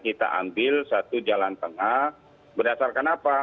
kita ambil satu jalan tengah berdasarkan apa